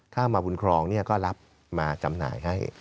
ถ้ามาบุญครองก็รับมาจำหน่ายให้